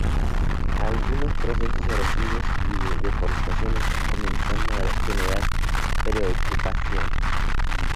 Algunos procesos erosivos y de deforestación están comenzando a generar preocupación.